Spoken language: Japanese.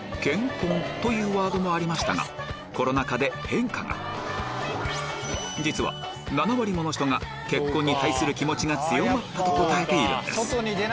嫌婚というワードもありましたがコロナ禍で変化が実は７割もの人が結婚に対する気持ちが強まったと答えているんです